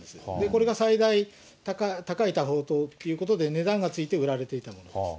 これが最大、高い多宝塔ということで、値段がついて売られていたんです。